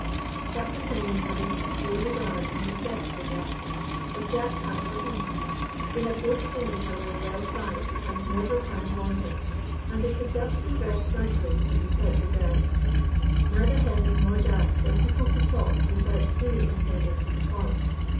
Captain Hemming had a sincere regard and respect for Jack, as Jack had for him. They had both seen each other well tried and never found wanting, and they could thus converse frankly and without reserve. Neither Hemming nor Jack were people to talk without fully intending to perform.